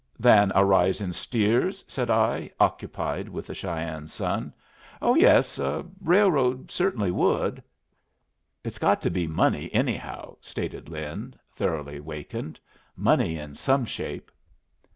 "Than a rise in steers?" said I, occupied with the Cheyenne Sun. "Oh yes. Yes, a railroad certainly would." "It's got to be money, anyhow," stated Lin, thoroughly wakened. "Money in some shape."